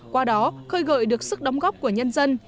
qua đó khơi gợi được sức đóng góp của nhân dân